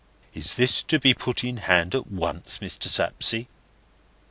—Is this to be put in hand at once, Mr. Sapsea?"